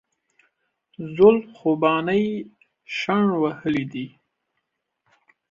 زول خوبانۍ شڼ وهلي دي